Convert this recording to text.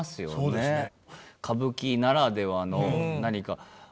そうですね。